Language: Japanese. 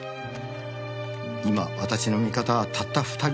「今私の味方はたった２人です」